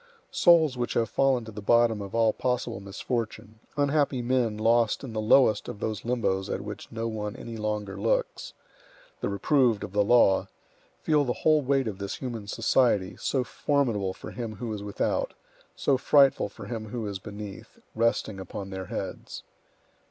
Souls which have fallen to the bottom of all possible misfortune, unhappy men lost in the lowest of those limbos at which no one any longer looks, the reproved of the law, feel the whole weight of this human society, so formidable for him who is without, so frightful for him who is beneath, resting upon their heads.